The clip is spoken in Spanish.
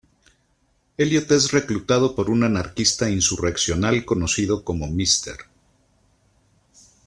Elliot es reclutado por un anarquista insurreccional conocido como "Mr.